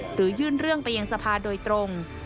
หรือยื่นเรื่องไปยังสภาโดยตรง